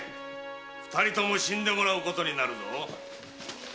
二人とも死んでもらうことになるぞ。